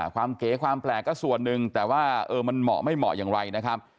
เก๋ความแปลกก็ส่วนหนึ่งแต่ว่ามันเหมาะไม่เหมาะอย่างไรนะครับ